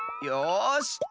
よし。